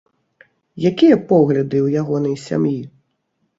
Якія погляды ў ягонай сям'і?